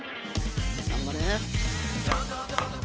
頑張れ！